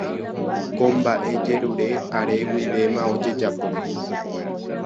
Ko mbaʼejerure are guivéma ojejapo.